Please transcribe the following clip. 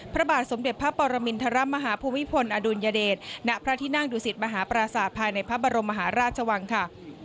พระบาทสมเด็จพระปรมินทรมาฮภูมิพลอดุลยเดชณพระที่นั่งดุสิตมหาปราศาสตร์ภายในพระบรมมหาราชวังค่ะ